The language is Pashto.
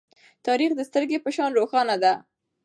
تاریخ د سترگې په شان روښانه ده.